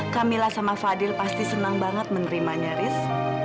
camilla sama fadil pasti senang banget menerimanya riz